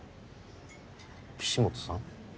岸本さん？